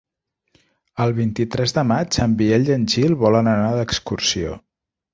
El vint-i-tres de maig en Biel i en Gil volen anar d'excursió.